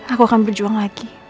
aku akan berjuang lagi